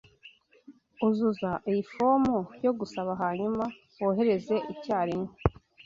Uzuza iyi fomu yo gusaba hanyuma wohereze icyarimwe.